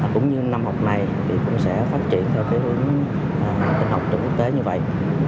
cũng như năm học này cũng sẽ phát triển theo hướng tinh học trường quốc tế như vậy